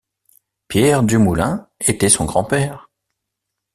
Pierre Du Moulin était son grand-père.